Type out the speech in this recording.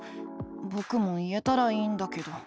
ぼくも言えたらいいんだけど。